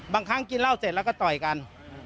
บางครั้งกินเหล้าเสร็จแล้วก็ต่อยกัน